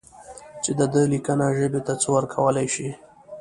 چې د ده لیکنه ژبې ته څه ورکولای شي.